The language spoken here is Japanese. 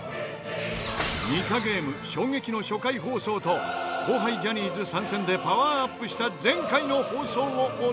ニカゲーム衝撃の初回放送と後輩ジャニーズ参戦でパワーアップした前回の放送をお届け。